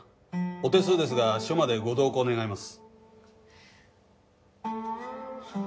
お手数ですが署までご同行願います。